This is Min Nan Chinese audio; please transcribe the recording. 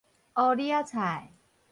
烏李仔菜